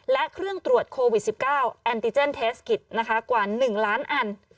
และเครื่องตรวจโควิด๑๙แอนติเจนเทสกิจนะคะกว่า๑ล้านอัน